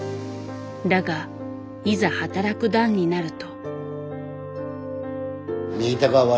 だがいざ働く段になると。